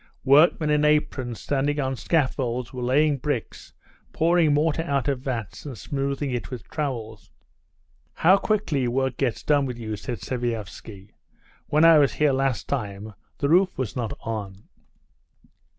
Workmen in aprons, standing on scaffolds, were laying bricks, pouring mortar out of vats, and smoothing it with trowels. "How quickly work gets done with you!" said Sviazhsky. "When I was here last time the roof was not on."